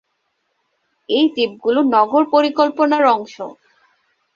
এই দ্বীপগুলো নগর পরিকল্পনার অংশ।